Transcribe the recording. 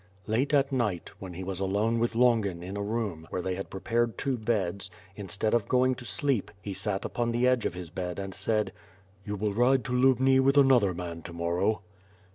Late at night, when he was alone with Longin in a room, where they had prepared two beds, instead of going to sleep, he sat upon t' e edge of his bed, and said: "You will ride to Lubni with another man to morrow."